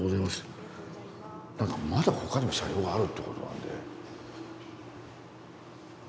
何かまだ他にも車両があるって事なんで。